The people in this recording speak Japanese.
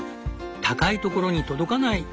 「高いところに届かない！」